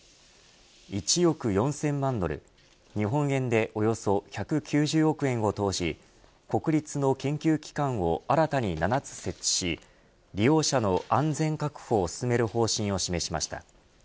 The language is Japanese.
１億４０００万ドル日本円でおよそ１９０億円を投じ国立の研究機関を新たに７つ設置し利用者の安全確保を進める方針を示しました。